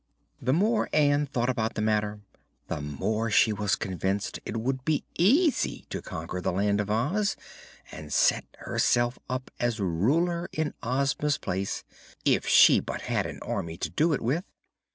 The more Ann thought about the matter the more she was convinced it would be easy to conquer the Land of Oz and set herself up as Ruler in Ozma's place, if she but had an Army to do it with.